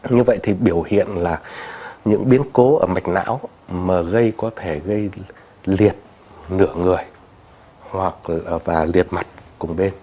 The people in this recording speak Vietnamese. như vậy thì biểu hiện là những biến cố ở mạch não mà gây có thể gây liệt nửa người hoặc và liệt mặt cùng bên